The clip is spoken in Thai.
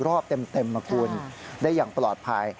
รอบเต็มนะคุณได้อย่างปลอดภัย